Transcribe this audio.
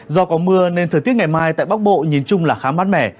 do có mưa nên thời tiết ngày mai tại bắc bộ nhìn chung là khá mát mẻ